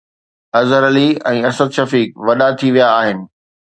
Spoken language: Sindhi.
اظهر علي ۽ اسد شفيق وڏا ٿي ويا آهن.